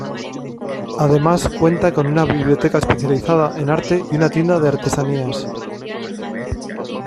Además cuenta con una biblioteca especializada en arte y una tienda de artesanías.